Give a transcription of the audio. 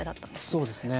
そうですね。